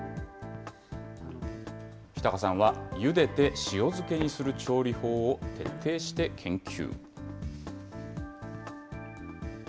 日高さんはゆでて塩漬けにする調理法を徹底して研究。